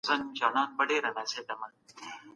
انسان بايد رښتيا ووايي.